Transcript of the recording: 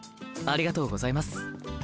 ありがとうございます。